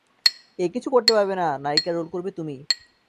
এ কিছু করতে পারবে না, নায়িকার রোল করবে তুমি।